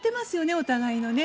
お互いのね。